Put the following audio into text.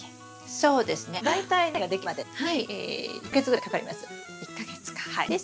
そうですね大体苗ができるまでに１か月ぐらいかかります。